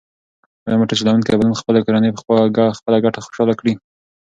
ایا موټر چلونکی به نن خپله کورنۍ په خپله ګټه خوشحاله کړي؟